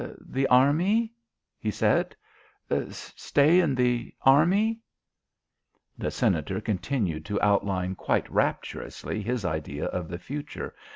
"The Army?" he said. "Stay in the Army?" The Senator continued to outline quite rapturously his idea of the future.